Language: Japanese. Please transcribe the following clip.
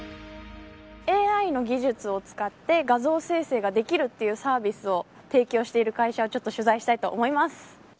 ＡＩの技術を使って画像生成ができるサービスを提供している会社を取材したいと思います。